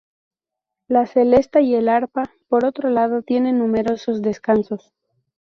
La celesta y el arpa, por otro lado, tienen numerosos descansos.